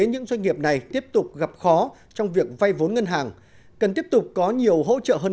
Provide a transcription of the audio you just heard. những doanh nghiệp này tiếp tục gặp khó trong việc vay vốn ngân hàng cần tiếp tục có nhiều hỗ trợ hơn